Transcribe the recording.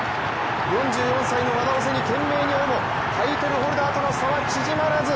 ４４歳の和田を背に懸命に追うもタイトルホルダーとの差は縮まらず。